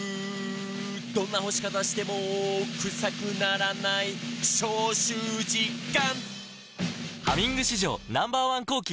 「どんな干し方してもクサくならない」「消臭実感！」